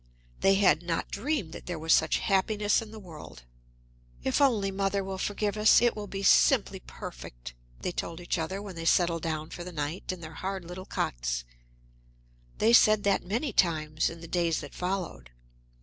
They had not dreamed that there was such happiness in the world. "If only mother will forgive us, it will be simply perfect!" they told each other when they settled down for the night in their hard little cots. They said that many times in the days that followed.